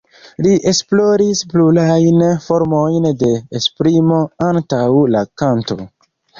Li esploris plurajn formojn de esprimo antaŭ la kanto.